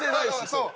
そう。